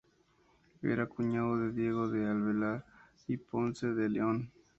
Era cuñado de Diego de Alvear y Ponce de León.